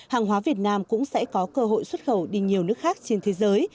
hàng hóa việt nam cũng sẽ có cơ hội xuất khẩu đi nhiều nước khác trên thế giới